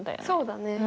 そうだね。